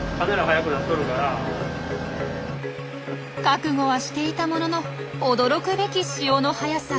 覚悟はしていたものの驚くべき潮の速さ。